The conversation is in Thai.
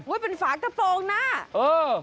เป็นฝากตะโฟงนะเออ